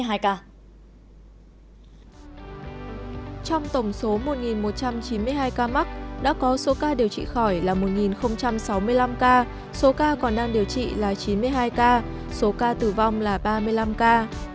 trong tổng số một một trăm chín mươi hai ca mắc đã có số ca điều trị khỏi là một sáu mươi năm ca số ca còn đang điều trị là chín mươi hai ca số ca tử vong là ba mươi năm ca